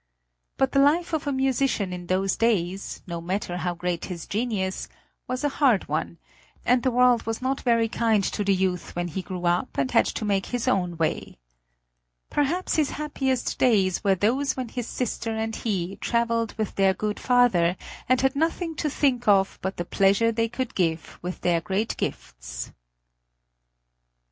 But the life of a musician in those days, no matter how great his genius, was a hard one, and the world was not very kind to the youth when he grew up and had to make his own way. Perhaps his happiest days were those when his sister and he traveled with their good father, and had nothing to think of but the pleasure they could give with their great gifts.